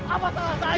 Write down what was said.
apa salah saya ini